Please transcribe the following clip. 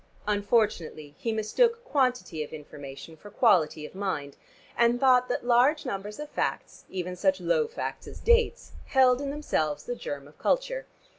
Unfortunately he mistook quantity of information for quality of mind, and thought that large numbers of facts, even such low facts as dates, held in themselves the germ of culture.